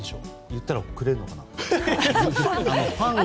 言ったらくれるかな。